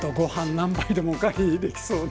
何杯でもお代わりできそうな。